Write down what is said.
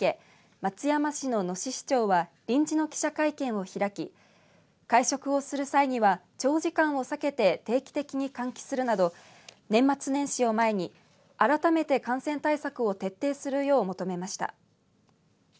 松山市の野志市長は臨時の記者会見を開き会食をする際には長時間を避けて定期的に換気するなど年末年始を前に、改めて感染対策を徹底するよう求めました。